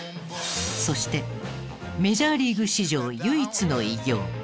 そしてメジャーリーグ史上唯一の偉業